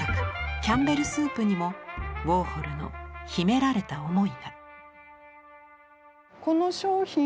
「キャンベルスープ」にもウォーホルの秘められた思いが。